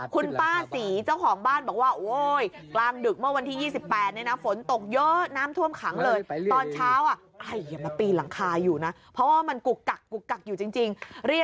คุณป้าศรีเจ้าของบ้านบอกว่าโอ๋ย